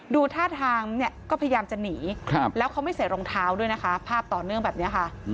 ดูท่าทางเนี่ยก็พยายามจะหนีแล้วเขาไม่ใส่รองเท้าด้วยนะคะภาพต่อเนื่องแบบนี้ค่ะ